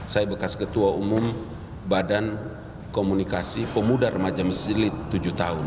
saya bekas ketua umum badan komunikasi pemuda remaja masjid tujuh tahun